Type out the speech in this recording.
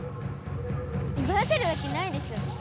うばわせるわけないでしょ！